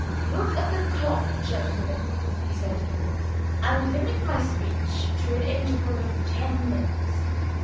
"Look at the clock, gentlemen," he said; "and limit my speech to an interval of ten minutes."